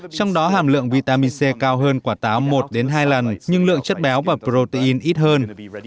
trong đó hàm lượng vitamin c cao hơn quả tám một hai lần nhưng lượng chất béo và protein ít hơn